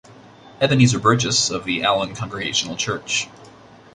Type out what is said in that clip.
Ebenezer Burgess of the Allin Congregational Church.